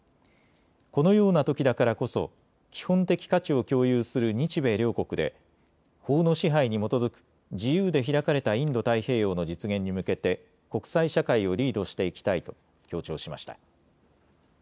このようなときだからこそ基本的価値を共有する日米両国で法の支配に基づく自由で開かれたインド太平洋の実現に向けて国際社会をリードしていきたいと強調しました。